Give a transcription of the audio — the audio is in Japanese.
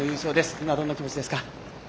今、どんなお気持ちですか？